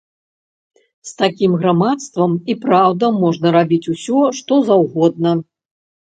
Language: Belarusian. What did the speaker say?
З такім грамадствам і праўда можаце рабіць усе, што заўгодна.